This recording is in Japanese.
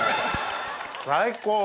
最高！